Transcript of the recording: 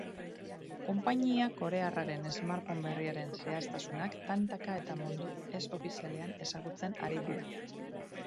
Konpainia korearraren smartphone berriaren zehaztasunak tantaka eta modu ez ofizialean ezagutzen ari dira.